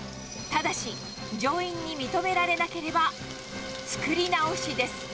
ただし、乗員に認められなければ作り直しです。